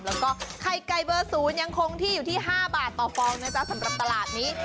แล้วก็ไข่ไก่เบอร์๐ยังคงที่อยู่ที่๕บาทต่อฟองนะจ๊ะสำหรับตลาดนี้